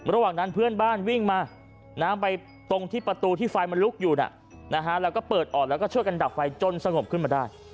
ระหว่างนั้นเพื่อนบ้านวิ่งมาไปตรงที่ประตูที่ไฟมันลุกอยู่แล้วก็เปิดออกแล้วก็ช่วยกันดับไฟจนสงบขึ้นมาได้